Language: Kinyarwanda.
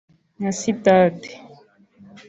nka sitade